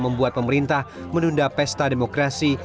membuat pemerintah menunda pesta demokrasi